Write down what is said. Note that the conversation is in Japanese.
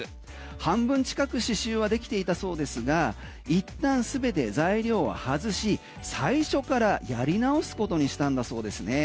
半分近く刺繍はできていたそうですがいったんすべて材料は外し最初からやり直すことにしたんだそうですね。